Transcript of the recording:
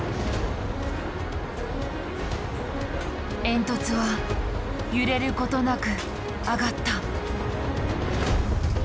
煙突は揺れることなく上がった。